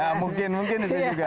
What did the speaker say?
ya mungkin mungkin itu juga